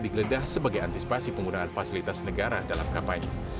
digeledah sebagai antisipasi penggunaan fasilitas negara dalam kapal ini